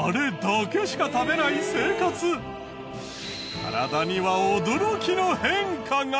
体には驚きの変化が！